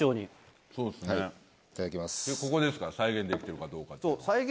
ここですから再現できてるかどうかってのは。